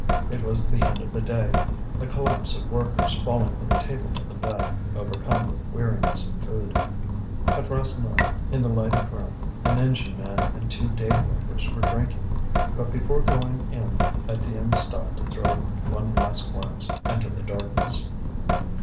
It was the end of the day, the collapse of workers falling from the table to the bed, overcome with weariness and food. At Rasseneur's, in the lighted room, an engine man and two day workers were drinking. But before going in Étienne stopped to throw one last glance into the darkness.